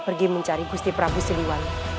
pergi mencari gusti prabu siliwan